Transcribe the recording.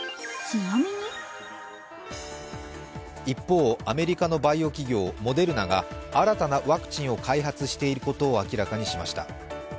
一方、アメリカのバイオ企業、モデルナが新たなワクチンを開発していることを明らかにしました。